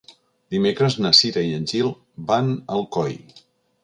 Dimecres na Cira i en Gil van a Alcoi.